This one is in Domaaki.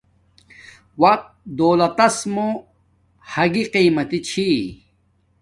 وقت دولتس موہ حاگی قیمتی چھی